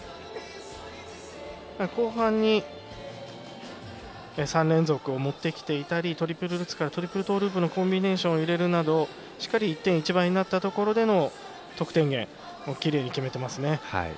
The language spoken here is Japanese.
後半に３連続を持ってきていたりトリプルルッツからトリプルトーループのコンビネーションを入れるなどしっかり１．１倍になったところでも得点源をきれいに決めています。